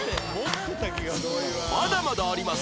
まだまだあります